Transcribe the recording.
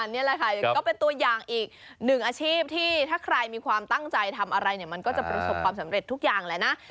นี่แหละค่ะก็เป็นตัวอย่างอีกหนึ่งอาชีพที่ถ้าใครมีความตั้งใจทำอะไรเนี่ยมันก็จะประสบความสำเร็จทุกอย่างแหละนะ